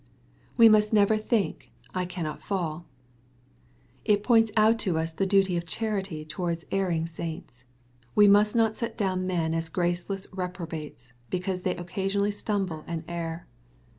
We must never think, '^ I cannot fall/' It points out to us the duty of charity towards erring saints. We must not set down men as graceless reprobates^ because they occasionally stumble and err.